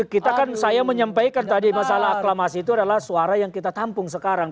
kita kan saya menyampaikan tadi masalah aklamasi itu adalah suara yang kita tampung sekarang